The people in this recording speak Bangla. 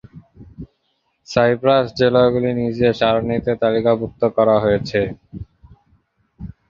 সাইপ্রাস জেলাগুলি নীচে সারণিতে তালিকাভুক্ত করা হয়েছে।